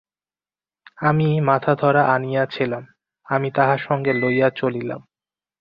আমিই মাথাধরা আনিয়াছিলাম, আমি তাহা সঙ্গে লইয়া চলিলাম।